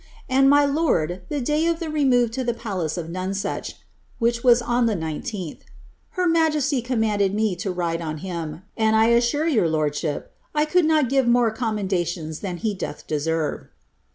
And, ray lord, the day of the remove to the palace of Nonsnch, (which nas on the I9ih.) her majesty commandnl me lo ride im him, and I assure your lordship 1 could not give more commendations than be dolh deserve."